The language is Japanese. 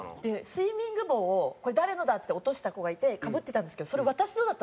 スイミング帽をこれ誰のだって落とした子がいてかぶってたんですけどそれ私のだったんですよ。